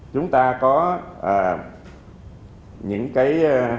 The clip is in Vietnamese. chúng ta có những cái